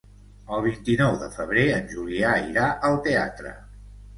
El vint-i-nou de febrer en Julià irà al teatre.